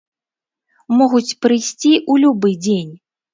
Могуць прыйсці ў любы дзень.